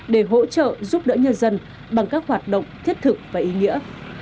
để hỗ trợ giúp đỡ nhân dân bằng các hoạt động thiết thực và ý nghĩa